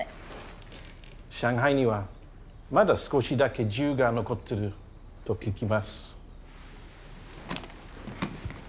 上海にはまだ少しだけ自由が残っていると聞きます。